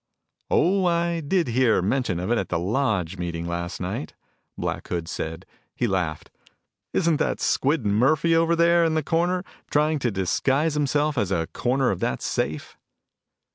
"Oh, I did hear it mentioned at the lodge meeting last night," Black Hood said. He laughed. "Isn't that Squid Murphy over there in the corner, trying to disguise himself as a corner of that safe?"